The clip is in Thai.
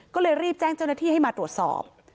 ก็เลยรีบแจ้งเจ้าหน้าที่ให้มาตรวจสอบ